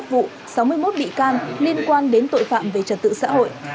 vụ sáu mươi một bị can liên quan đến tội phạm về trật tự xã hội